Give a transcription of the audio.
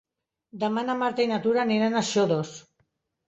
Demà na Marta i na Tura aniran a Xodos.